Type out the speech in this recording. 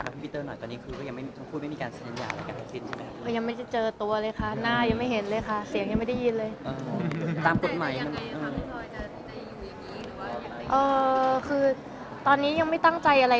พี่พ่อค่ะคุณครับถามเรื่องสถานการณ์ของพี่พิเติร์นหน่อย